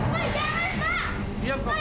pak jangan pak